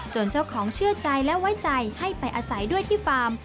เจ้าของเชื่อใจและไว้ใจให้ไปอาศัยด้วยที่ฟาร์ม